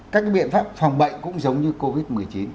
các biện pháp phòng bệnh cũng giống như covid một mươi chín